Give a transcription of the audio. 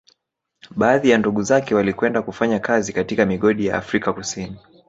Baadhi ya ndugu zake walikwenda kufanya kazi katika migodi ya Afrika Kusini